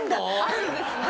あるんですね。